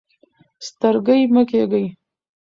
سترګۍ مه کیږئ.